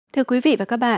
thưa quý vị và các bạn